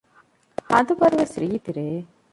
ހަދުވަރުވެސް ރީތި ރެއެއް